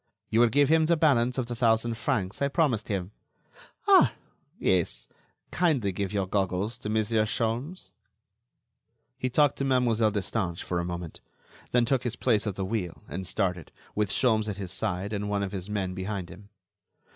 You will give him the balance of the thousand francs I promised him.... Ah! yes, kindly give your goggles to Monsieur Sholmes." He talked to Mlle. Destange for a moment, then took his place at the wheel and started, with Sholmes at his side and one of his men behind him.